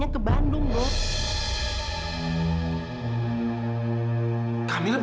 iya korban luar biasa